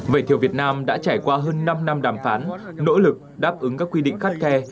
vậy thì việt nam đã trải qua hơn năm năm đàm phán nỗ lực đáp ứng các quy định khắt khe